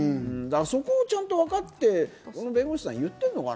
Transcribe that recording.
そこをちゃんと分かって弁護士さん、言ってるのかな？